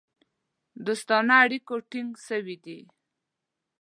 دوستانه اړیکو ټینګ سوي وه.